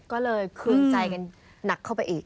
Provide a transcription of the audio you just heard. ก็เลยเครื่องใจกันหนักเข้าไปอีก